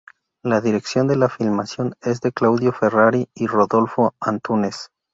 La dirección de la filmación es de Claudio Ferrari y Rodolfo Antúnez.